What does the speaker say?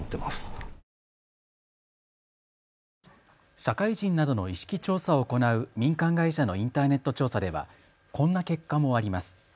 社会人などの意識調査を行う民間会社のインターネット調査ではこんな結果もあります。